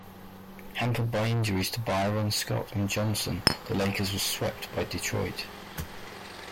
Hampered by injuries to Byron Scott and Johnson, the Lakers were swept by Detroit.